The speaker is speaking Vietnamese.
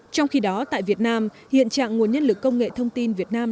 trong khi đó tại việt nam hiện trạng nguồn nhân lực công nghệ thông tin việt nam